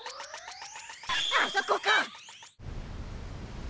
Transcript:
あそこか！